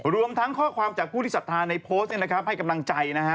รวมทั้งข้อความจากผูลิสภาพในโพสต์ให้กำลังใจ